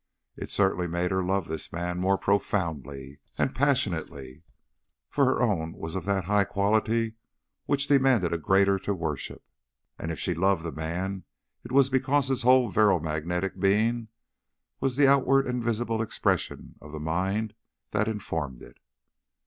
It certainly made her love this man more profoundly and passionately, for her own was of that high quality which demanded a greater to worship. And if she loved the man it was because his whole virile magnetic being was the outward and visible expression of the mind that informed it.